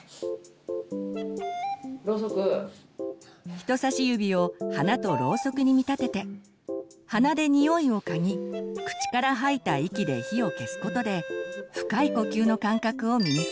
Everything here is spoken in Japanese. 人さし指を花とろうそくに見立てて鼻で匂いをかぎ口から吐いた息で火を消すことで深い呼吸の感覚を身につけます。